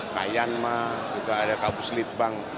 kayanma juga ada kabus litbang